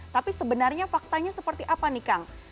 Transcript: tapi sebenarnya faktanya seperti apa nih kang